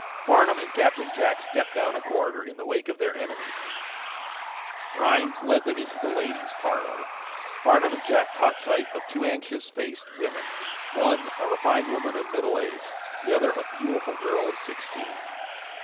Farnum and Captain Jack stepped down a corridor in the wake of their enemy. Rhinds led them into the ladies' parlor. Farnum and Jack caught sight of two anxious faced women one, a refined woman of middle age, the other a beautiful girl of sixteen.